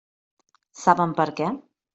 Saben per què?